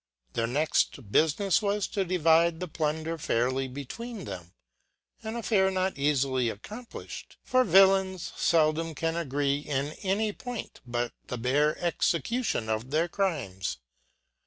Their next bufinefs was to divide the plunder fairly between them j an affair not eafily accompliflied ; for vnllains feldom can agree in any point, but the bare execution of their crimes.